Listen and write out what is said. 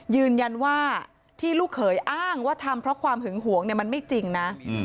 ยืนยันว่าที่ลูกเขยอ้างว่าทำเพราะความหึงหวงมันไม่จริงนะ